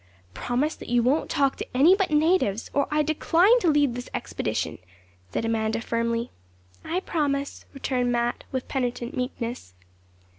'Promise that you won't talk to any but natives, or I decline to lead this expedition,' said Amanda firmly. 'I promise,' returned Mat, with penitent meekness.